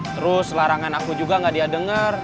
terus larangan aku juga nggak dia denger